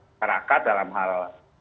masyarakat dalam hal